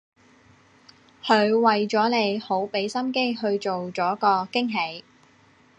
佢為咗你好畀心機去做咗個驚喜